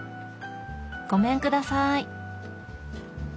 ごめんください。